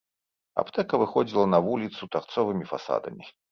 Аптэка выходзіла на вуліцу тарцовымі фасадамі.